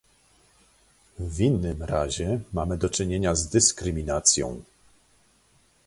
W innym razie mamy do czynienia z dyskryminacją